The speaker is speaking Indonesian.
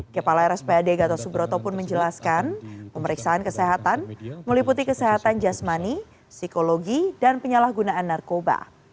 kepala rspad gatot subroto pun menjelaskan pemeriksaan kesehatan meliputi kesehatan jasmani psikologi dan penyalahgunaan narkoba